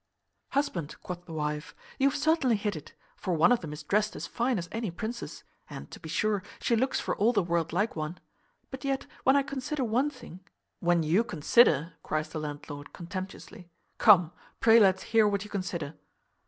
"Husband," quoth the wife, "you have certainly hit it; for one of them is dressed as fine as any princess; and, to be sure, she looks for all the world like one. But yet, when I consider one thing" "When you consider," cries the landlord contemptuously "Come, pray let's hear what you consider."